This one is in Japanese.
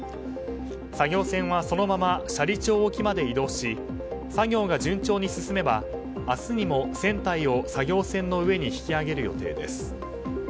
作業船はそのまま斜里町沖まで移動し作業が順調に進めば明日にも、船体を作業船の上に引き揚げる予定です。